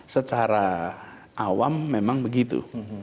secara awam memang begitu